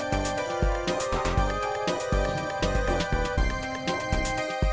hanya ada senjata kayak ini